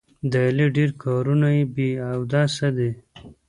د علي ډېر کارونه بې اودسه دي.